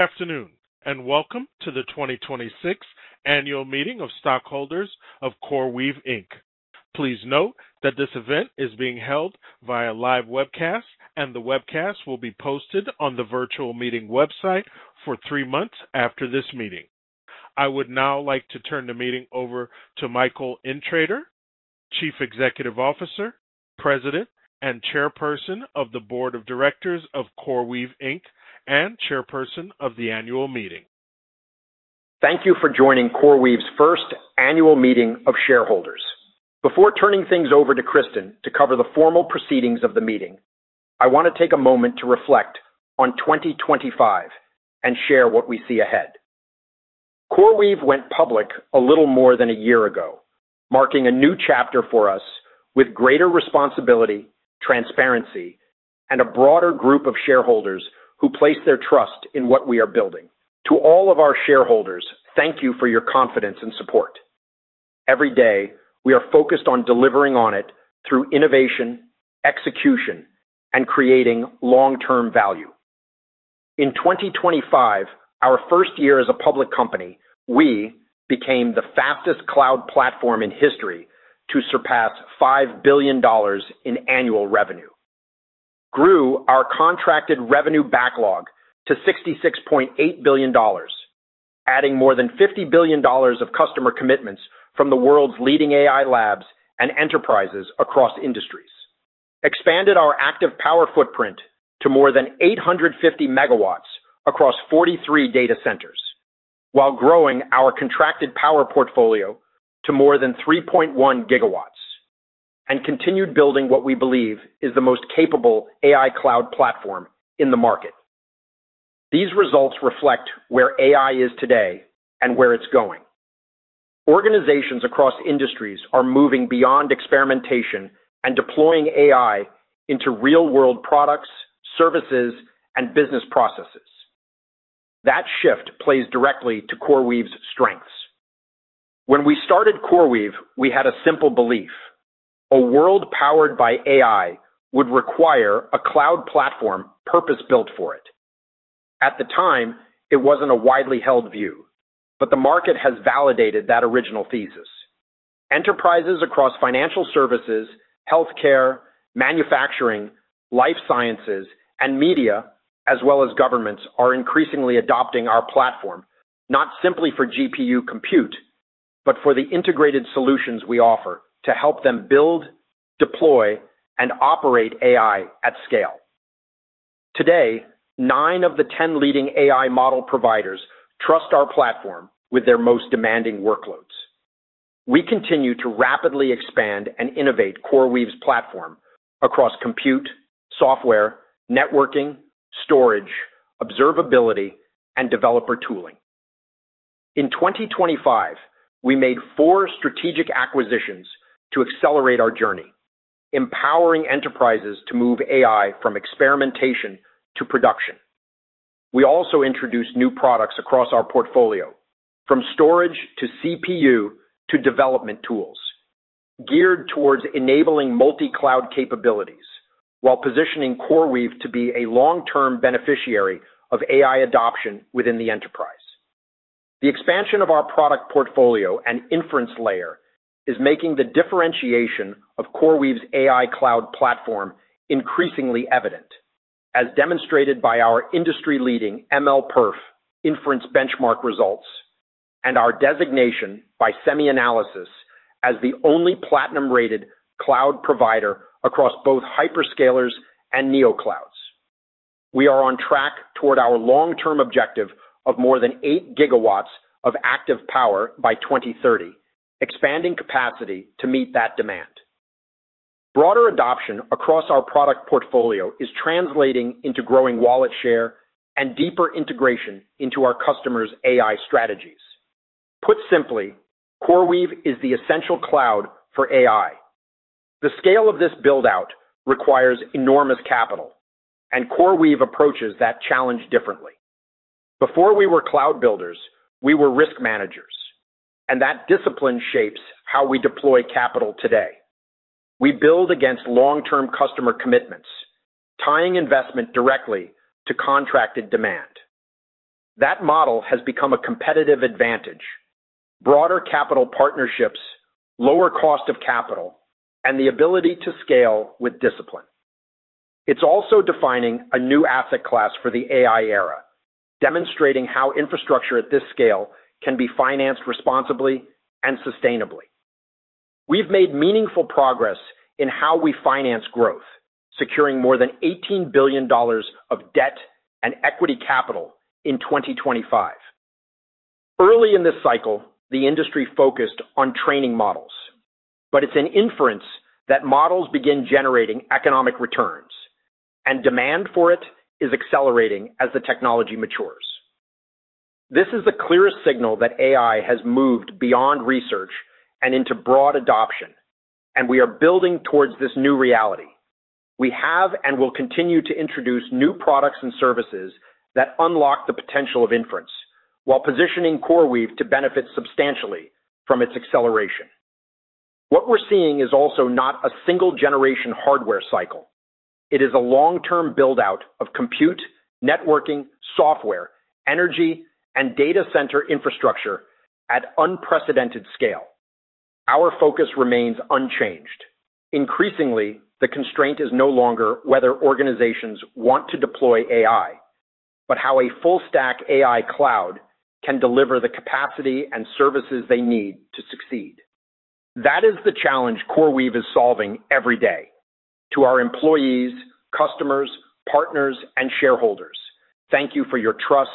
Afternoon. Welcome to the 2026 annual meeting of stockholders of CoreWeave, Inc. Please note that this event is being held via live webcast. The webcast will be posted on the virtual meeting website for three months after this meeting. I would now like to turn the meeting over to Michael Intrator, Chief Executive Officer, President, and Chairperson of the Board of Directors of CoreWeave, Inc, and chairperson of the annual meeting. Thank you for joining CoreWeave's first annual meeting of shareholders. Before turning things over to Kristen to cover the formal proceedings of the meeting, I want to take a moment to reflect on 2025 and share what we see ahead. CoreWeave went public a little more than a year ago, marking a new chapter for us with greater responsibility, transparency, and a broader group of shareholders who place their trust in what we are building. To all of our shareholders, thank you for your confidence and support. Every day, we are focused on delivering on it through innovation, execution, and creating long-term value. In 2025, our first year as a public company, we became the fastest cloud platform in history to surpass $5 billion in annual revenue, grew our contracted revenue backlog to $66.8 billion, adding more than $50 billion of customer commitments from the world's leading AI labs and enterprises across industries, expanded our active power footprint to more than 850 MW across 43 data centers while growing our contracted power portfolio to more than 3.1 GW, and continued building what we believe is the most capable AI cloud platform in the market. These results reflect where AI is today and where it's going. Organizations across industries are moving beyond experimentation and deploying AI into real-world products, services, and business processes. That shift plays directly to CoreWeave's strengths. When we started CoreWeave, we had a simple belief: a world powered by AI would require a cloud platform purpose-built for it. At the time, it wasn't a widely held view. The market has validated that original thesis. Enterprises across financial services, healthcare, manufacturing, life sciences, and media, as well as governments, are increasingly adopting our platform not simply for GPU compute, but for the integrated solutions we offer to help them build, deploy, and operate AI at scale. Today, nine of the 10 leading AI model providers trust our platform with their most demanding workloads. We continue to rapidly expand and innovate CoreWeave's platform across compute, software, networking, storage, observability, and developer tooling. In 2025, we made four strategic acquisitions to accelerate our journey, empowering enterprises to move AI from experimentation to production. We also introduced new products across our portfolio, from storage to CPU to development tools, geared towards enabling multi-cloud capabilities while positioning CoreWeave to be a long-term beneficiary of AI adoption within the enterprise. The expansion of our product portfolio and inference layer is making the differentiation of CoreWeave's AI cloud platform increasingly evident, as demonstrated by our industry-leading MLPerf inference benchmark results and our designation by SemiAnalysis as the only platinum-rated cloud provider across both hyperscalers and neo clouds. We are on track toward our long-term objective of more than eight gigawatts of active power by 2030, expanding capacity to meet that demand. Broader adoption across our product portfolio is translating into growing wallet share and deeper integration into our customers' AI strategies. Put simply, CoreWeave is the essential cloud for AI. The scale of this build-out requires enormous capital, and CoreWeave approaches that challenge differently. Before we were cloud builders, we were risk managers, and that discipline shapes how we deploy capital today. We build against long-term customer commitments, tying investment directly to contracted demand. That model has become a competitive advantage: broader capital partnerships, lower cost of capital, and the ability to scale with discipline. It's also defining a new asset class for the AI era, demonstrating how infrastructure at this scale can be financed responsibly and sustainably. We've made meaningful progress in how we finance growth, securing more than $18 billion of debt and equity capital in 2025. Early in this cycle, the industry focused on training models, but it's in inference that models begin generating economic returns. Demand for it is accelerating as the technology matures. This is the clearest signal that AI has moved beyond research and into broad adoption. We are building towards this new reality. We have and will continue to introduce new products and services that unlock the potential of inference while positioning CoreWeave to benefit substantially from its acceleration. What we're seeing is also not a single-generation hardware cycle. It is a long-term build-out of compute, networking, software, energy, and data center infrastructure at unprecedented scale. Our focus remains unchanged. Increasingly, the constraint is no longer whether organizations want to deploy AI, but how a full stack AI cloud can deliver the capacity and services they need to succeed. That is the challenge CoreWeave is solving every day. To our employees, customers, partners, and shareholders, thank you for your trust,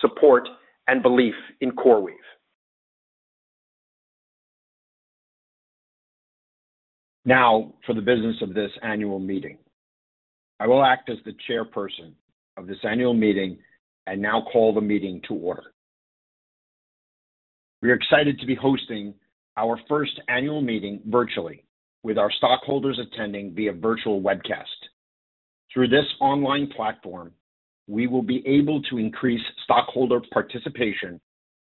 support, and belief in CoreWeave. For the business of this annual meeting, I will act as the chairperson of this annual meeting and now call the meeting to order. We are excited to be hosting our first annual meeting virtually with our stockholders attending via virtual webcast. Through this online platform, we will be able to increase stockholder participation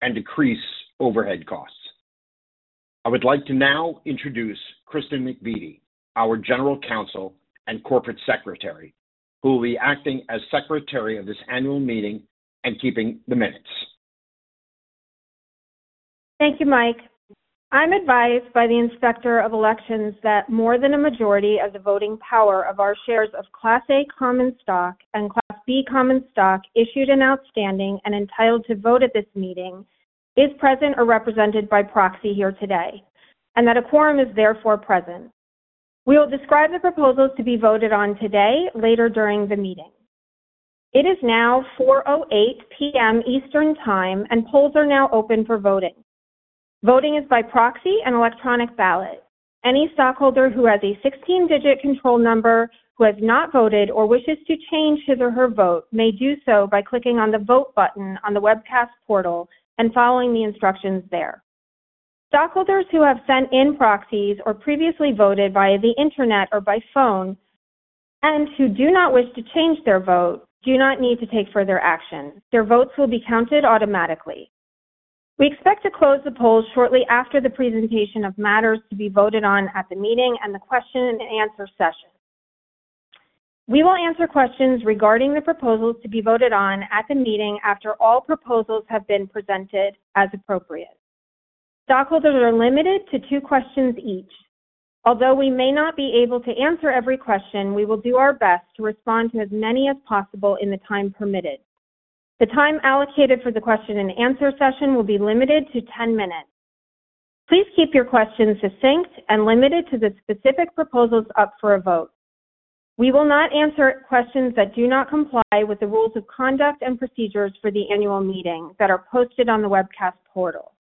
and decrease overhead costs. I would like to now introduce Kristen McVeety, our General Counsel and Corporate Secretary, who will be acting as Secretary of this annual meeting and keeping the minutes. Thank you, Mike. I'm advised by the Inspector of Elections that more than a majority of the voting power of our shares of Class A common stock and Class B common stock issued and outstanding and entitled to vote at this meeting is present or represented by proxy here today, and that a quorum is therefore present. We will describe the proposals to be voted on today later during the meeting. It is now 4:08 P.M. Eastern Time, and polls are now open for voting. Voting is by proxy and electronic ballot. Any stockholder who has a 16-digit control number who has not voted or wishes to change his or her vote may do so by clicking on the Vote button on the webcast portal and following the instructions there. Stockholders who have sent in proxies or previously voted via the internet or by phone, and who do not wish to change their vote, do not need to take further action. Their votes will be counted automatically. We expect to close the polls shortly after the presentation of matters to be voted on at the meeting and the question and answer session. We will answer questions regarding the proposals to be voted on at the meeting after all proposals have been presented as appropriate. Stockholders are limited to two questions each. Although we may not be able to answer every question, we will do our best to respond to as many as possible in the time permitted. The time allocated for the question and answer session will be limited to 10 minutes. Please keep your questions succinct and limited to the specific proposals up for a vote. We will not answer questions that do not comply with the rules of conduct and procedures for the annual meeting that are posted on the webcast portal.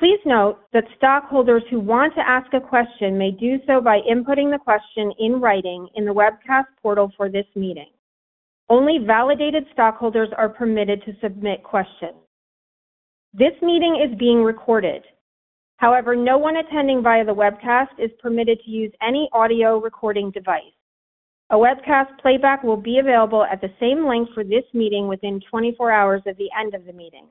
Please note that stockholders who want to ask a question may do so by inputting the question in writing in the webcast portal for this meeting. Only validated stockholders are permitted to submit questions. This meeting is being recorded. However, no one attending via the webcast is permitted to use any audio recording device. A webcast playback will be available at the same link for this meeting within 24 hours of the end of the meeting.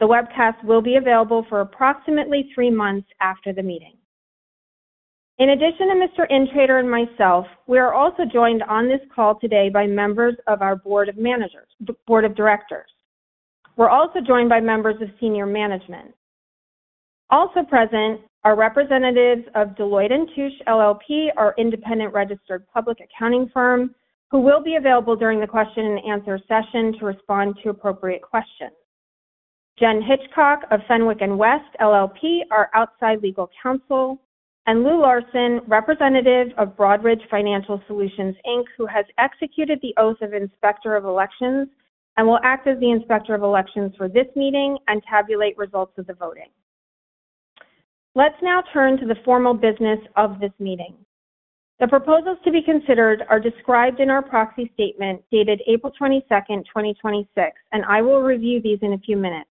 The webcast will be available for approximately three months after the meeting. In addition to Mr. Intrator and myself, we are also joined on this call today by members of our board of directors. We're also joined by members of senior management. Also present are representatives of Deloitte & Touche LLP, our independent registered public accounting firm, who will be available during the question and answer session to respond to appropriate questions. Jen Hitchcock of Fenwick & West LLP, our outside legal counsel, and Lou Larson, representative of Broadridge Financial Solutions, Inc, who has executed the oath of Inspector of Elections and will act as the Inspector of Elections for this meeting and tabulate results of the voting. Let's now turn to the formal business of this meeting. The proposals to be considered are described in our proxy statement dated April 22nd, 2026, and I will review these in a few minutes.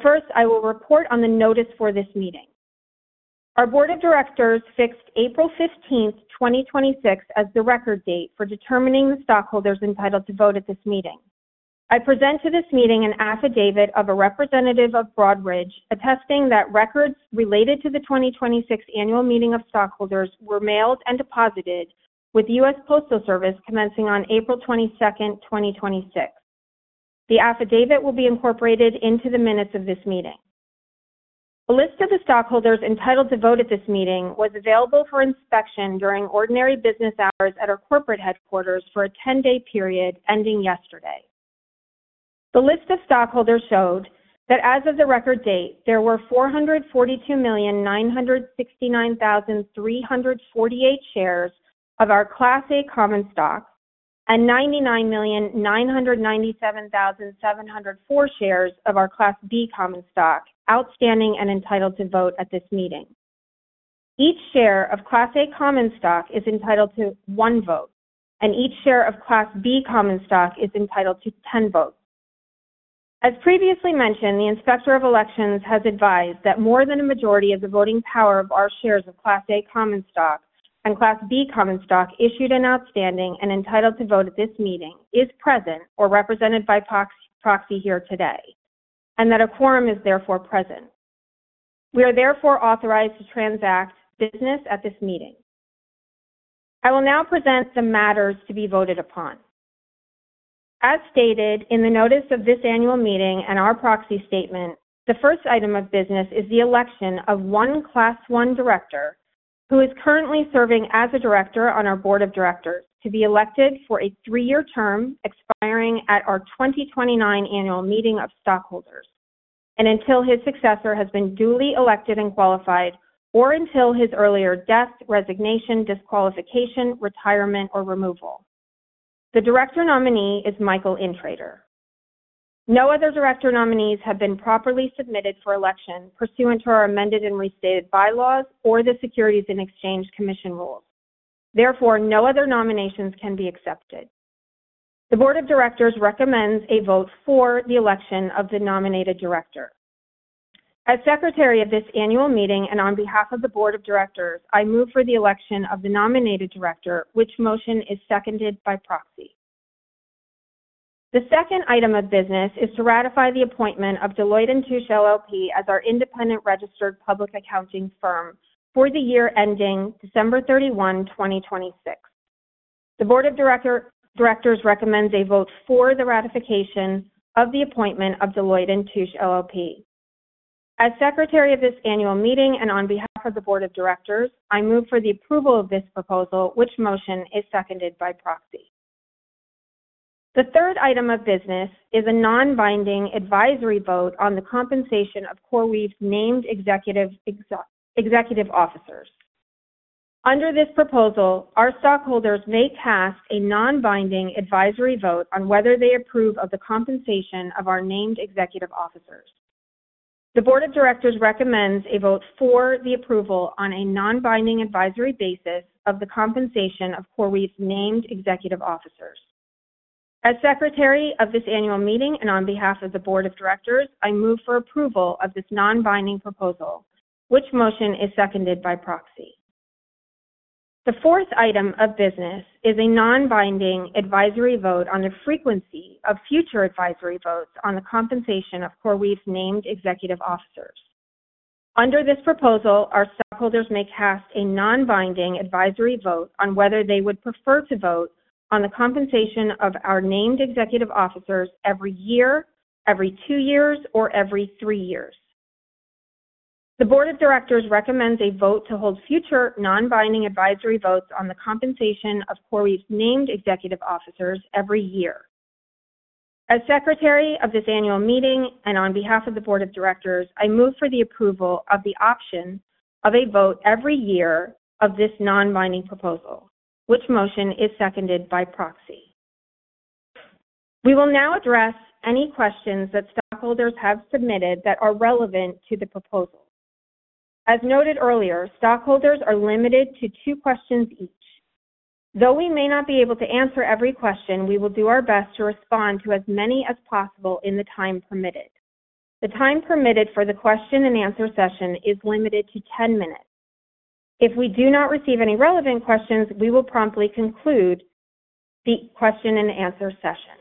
First, I will report on the notice for this meeting. Our board of directors fixed April 15th, 2026, as the record date for determining the stockholders entitled to vote at this meeting. I present to this meeting an affidavit of a representative of Broadridge attesting that records related to the 2026 annual meeting of stockholders were mailed and deposited with the U.S. Postal Service commencing on April 22nd, 2026. The affidavit will be incorporated into the minutes of this meeting. A list of the stockholders entitled to vote at this meeting was available for inspection during ordinary business hours at our corporate headquarters for a 10-day period ending yesterday. The list of stockholders showed that as of the record date, there were 442,969,348 shares of our Class A common stock and 99,997,704 shares of our Class B common stock outstanding and entitled to vote at this meeting. Each share of Class A common stock is entitled to one vote, and each share of Class B common stock is entitled to 10 votes. As previously mentioned, the Inspector of Elections has advised that more than a majority of the voting power of our shares of Class A common stock and Class B common stock issued and outstanding and entitled to vote at this meeting is present or represented by proxy here today, and that a quorum is therefore present. We are therefore authorized to transact business at this meeting. I will now present the matters to be voted upon. As stated in the notice of this annual meeting and our proxy statement, the first item of business is the election of one Class I director who is currently serving as a director on our board of directors to be elected for a three-year term expiring at our 2029 annual meeting of stockholders, and until his successor has been duly elected and qualified, or until his earlier death, resignation, disqualification, retirement, or removal. The director nominee is Michael Intrator. No other director nominees have been properly submitted for election pursuant to our amended and restated bylaws or the Securities and Exchange Commission rules. Therefore, no other nominations can be accepted. The board of directors recommends a vote for the election of the nominated director. As secretary of this annual meeting and on behalf of the board of directors, I move for the election of the nominated director, which motion is seconded by proxy. The second item of business is to ratify the appointment of Deloitte & Touche LLP as our independent registered public accounting firm for the year ending December 31, 2026. The board of directors recommends a vote for the ratification of the appointment of Deloitte & Touche LLP. As secretary of this annual meeting and on behalf of the board of directors, I move for the approval of this proposal, which motion is seconded by proxy. The third item of business is a non-binding advisory vote on the compensation of CoreWeave's named executive officers. Under this proposal, our stockholders may cast a non-binding advisory vote on whether they approve of the compensation of our named executive officers. The board of directors recommends a vote for the approval on a non-binding advisory basis of the compensation of CoreWeave's named executive officers. As secretary of this annual meeting and on behalf of the board of directors, I move for approval of this non-binding proposal, which motion is seconded by proxy. The fourth item of business is a non-binding advisory vote on the frequency of future advisory votes on the compensation of CoreWeave's named executive officers. Under this proposal, our stockholders may cast a non-binding advisory vote on whether they would prefer to vote on the compensation of our named executive officers every year, every two years, or every three years. The board of directors recommends a vote to hold future non-binding advisory votes on the compensation of CoreWeave's named executive officers every year. As secretary of this annual meeting and on behalf of the board of directors, I move for the approval of the option of a vote every year of this non-binding proposal, which motion is seconded by proxy. We will now address any questions that stockholders have submitted that are relevant to the proposal. As noted earlier, stockholders are limited to two questions each. Though we may not be able to answer every question, we will do our best to respond to as many as possible in the time permitted. The time permitted for the question and answer session is limited to 10 minutes. If we do not receive any relevant questions, we will promptly conclude the question and answer session.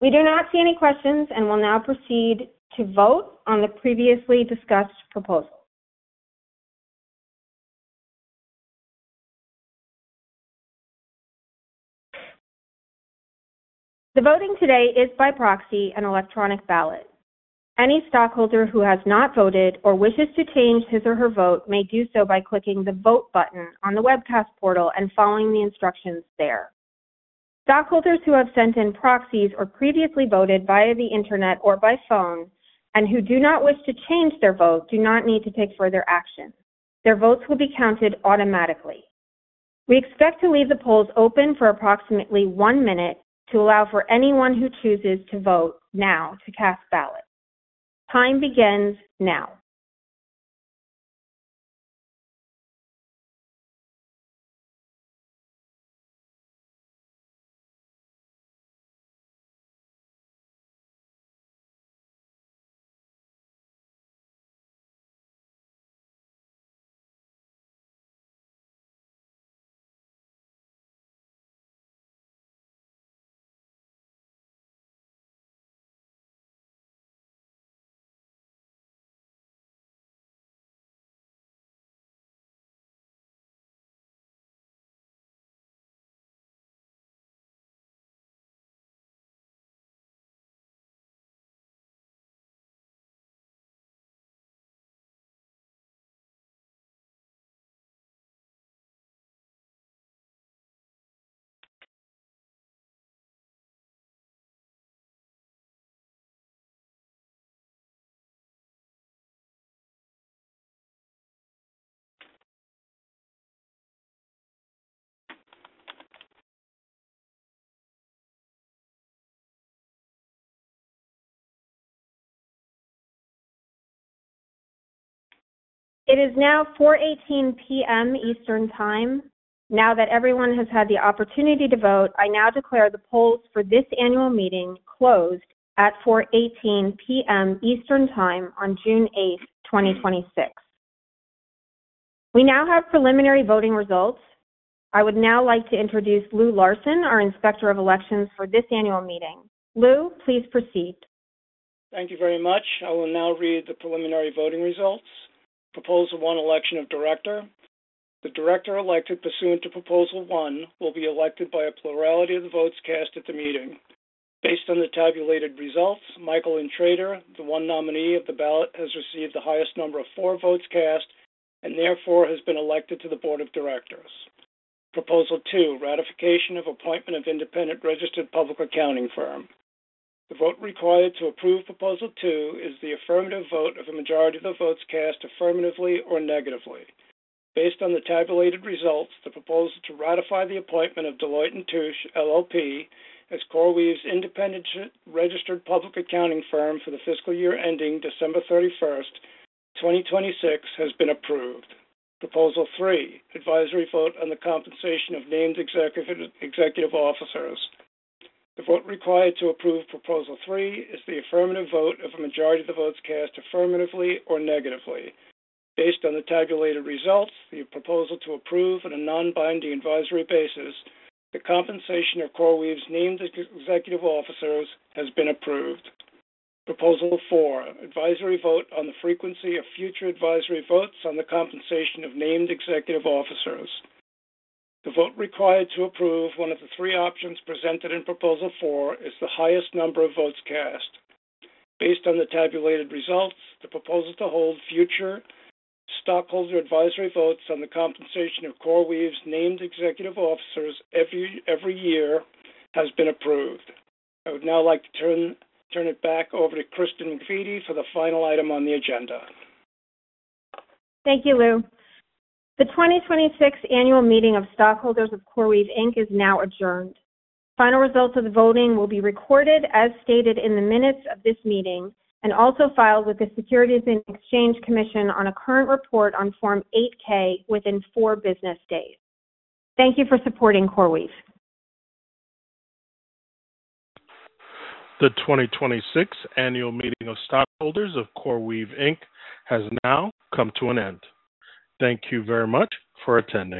We do not see any questions and will now proceed to vote on the previously discussed proposal. The voting today is by proxy and electronic ballot. Any stockholder who has not voted or wishes to change his or her vote may do so by clicking the Vote button on the webcast portal and following the instructions there. Stockholders who have sent in proxies or previously voted via the internet or by phone and who do not wish to change their vote do not need to take further action. Their votes will be counted automatically. We expect to leave the polls open for approximately one minute to allow for anyone who chooses to vote now to cast ballots. Time begins now. It is now 4:18 P.M. Eastern Time. Now that everyone has had the opportunity to vote, I now declare the polls for this annual meeting closed at 4:18 P.M. Eastern Time on June 8th, 2026. We now have preliminary voting results. I would now like to introduce Lou Larson, our Inspector of Elections for this annual meeting. Lou, please proceed. Thank you very much. I will now read the preliminary voting results. Proposal one, election of director. The director elected pursuant to proposal one will be elected by a plurality of the votes cast at the meeting. Based on the tabulated results, Michael Intrator, the one nominee of the ballot, has received the highest number of four votes cast and therefore has been elected to the board of directors. Proposal two, ratification of appointment of independent registered public accounting firm. The vote required to approve proposal two is the affirmative vote of a majority of the votes cast affirmatively or negatively. Based on the tabulated results, the proposal to ratify the appointment of Deloitte & Touche LLP as CoreWeave's independent registered public accounting firm for the fiscal year ending December 31st, 2026, has been approved. Proposal three, advisory vote on the compensation of named executive officers. The vote required to approve proposal three is the affirmative vote of a majority of the votes cast affirmatively or negatively. Based on the tabulated results, the proposal to approve on a non-binding advisory basis the compensation of CoreWeave's named executive officers has been approved. Proposal four, advisory vote on the frequency of future advisory votes on the compensation of named executive officers. The vote required to approve one of the three options presented in proposal four is the highest number of votes cast. Based on the tabulated results, the proposal to hold future stockholder advisory votes on the compensation of CoreWeave's named executive officers every year has been approved. I would now like to turn it back over to Kristen McVeety for the final item on the agenda. Thank you, Lou. The 2026 annual meeting of stockholders of CoreWeave, Inc is now adjourned. Final results of the voting will be recorded as stated in the minutes of this meeting and also filed with the Securities and Exchange Commission on a current report on Form 8-K within 4 business days. Thank you for supporting CoreWeave. The 2026 annual meeting of stockholders of CoreWeave, Inc has now come to an end. Thank you very much for attending.